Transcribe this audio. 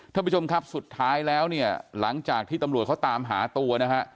ท่านผู้ชมครับสุดท้ายแล้วเนี่ยหลังจากที่ตำรวจเขาตามหาตัวนะฮะ